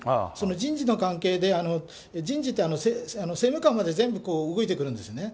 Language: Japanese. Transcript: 人事の関係で、人事って政務官まで全部動いてくるんですね。